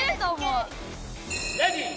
レディー。